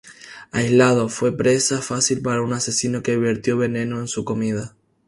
Aislado, fue presa fácil para un asesino que vertió veneno en su comida.